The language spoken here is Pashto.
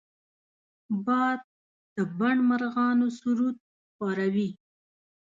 باد د بڼ مرغانو سرود خواره وي